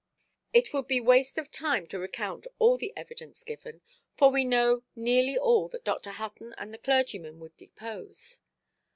It would be waste of time to recount all the evidence given; for we know nearly all that Dr. Hutton and the clergyman would depose.